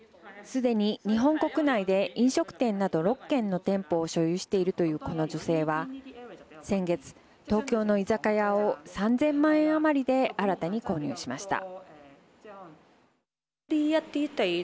すでに、日本国内で飲食店など６軒の店舗を所有しているというこの女性は先月、東京の居酒屋を３０００万円余りで新たに購入しました。